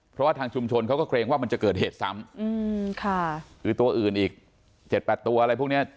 เพราะว่าทางชุมชนเขาก็เกรงว่ามันจะเกิดเหตุซ้ำค่ะคือตัวอื่นอีกเจ็ดแปดตัวอะไรพวกเนี้ย